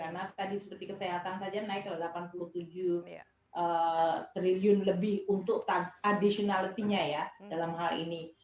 karena tadi seperti kesehatan saja naik ke delapan puluh tujuh triliun lebih untuk additionality nya ya dalam hal ini